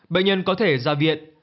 bệnh nhân có thể ra viện